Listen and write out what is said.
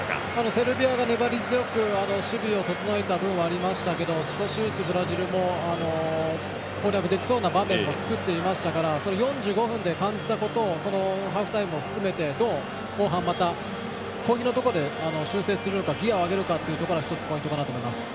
セルビアが粘り強く守備を整えた分はありましたけど少しずつ、ブラジルも攻略できそうな場面を作っていましたから、４５分で感じたことをハーフタイムを含めてどう後半攻撃のところで修正するのかギヤを上げるのかというところだと思います。